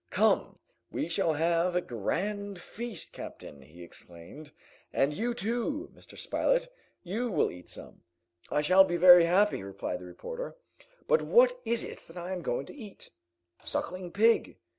"Come, we shall have a grand feast, captain!" he exclaimed. "And you too, Mr. Spilett, you will eat some!" "I shall be very happy," replied the reporter; "but what is it that I am going to eat?" "Suckling pig."